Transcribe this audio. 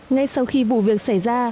ngay sau khi vụ việc xảy ra